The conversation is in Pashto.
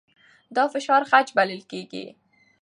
دا فشار خج بلل کېږي.